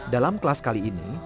dalam kelas kali ini